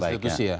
bukan institusi ya